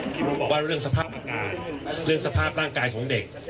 บอกว่าเรื่องสภาพอาการเรื่องสภาพร่างกายของเด็ก